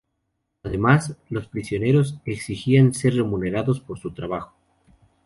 Además, los prisioneros exigían ser remunerados por su trabajo.